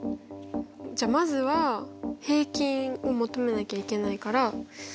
じゃあまずは平均を求めなきゃいけないから。